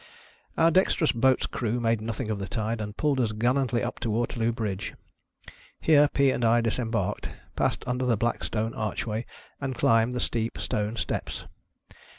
Our dexterous boat's crew made nothing of the tide, and pulled us gallantly up to Waterloo Bridge. Here Pea and I disem barked, passed under the black stone archway, and climbed the steep stone steps.